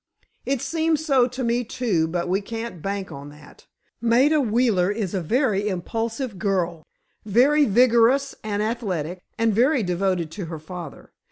"It seems so to me, too, but we can't bank on that. Maida Wheeler is a very impulsive girl, very vigorous and athletic, and very devoted to her father.